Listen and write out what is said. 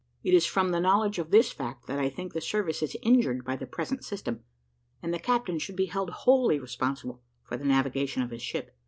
It is from the knowledge of this fact that I think the service is injured by the present system, and the captain should be held wholly responsible for the navigation of his ship.